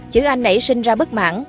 chữ anh nảy sinh ra bất mãn